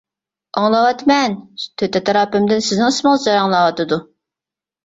ئاڭلاۋاتىمەن، تۆت ئەتراپىمدىن سىزنىڭ ئىسمىڭىز جاراڭلاۋاتىدۇ.